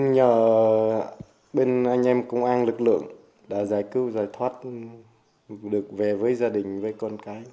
nhờ bên anh em công an lực lượng đã giải cứu rồi thoát được về với gia đình với con cái